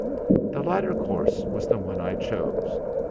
The latter course was the one I chose.